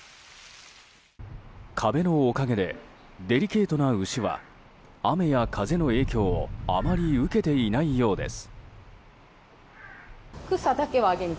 壁のおかげでデリケートな牛は雨や風の影響をあまり受けていないようです。